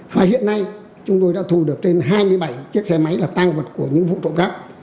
và hiện nay chúng tôi đã thu được trên hai mươi bảy chiếc xe máy là tang vật của những vụ trộm cắp